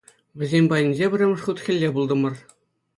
Вӗсем патӗнче пӗрремӗш хут хӗлле пултӑмӑр.